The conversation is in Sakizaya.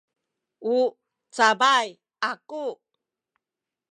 u cabay aku